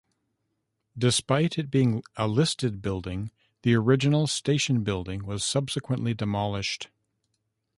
Despite it being a listed building, the original station building was subsequently demolished.